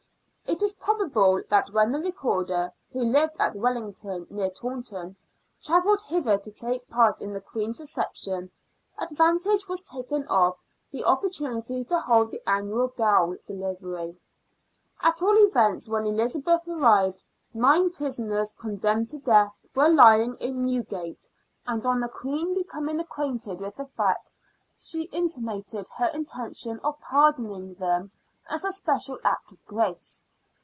It is probable that when the Recorder, who lived at Wellington, near Taunton, travelled hither to take part in the Queen's reception, advantage was taken of the opportunity to hold the annual gaol delivery. At all events, when Elizabeth arrived nine prisoners condemned to death were lying in Newgate, and on the Queen becoming acquainted with the fact she intimated her intention of pardoning them as a special act of grace.